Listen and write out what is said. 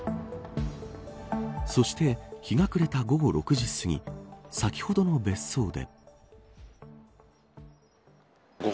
そして日が暮れた午後６時すぎ先ほどの別荘で。